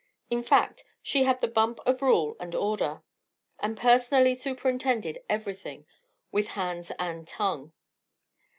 In fact, she had the bump of rule and order, and personally superintended everything with hands and tongue.